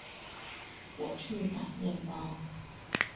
我去買麵包